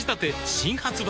新発売